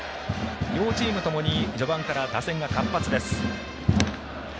両チームともに序盤から打線が活発です。